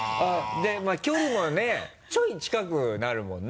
でまぁ距離もねちょい近くなるもんね。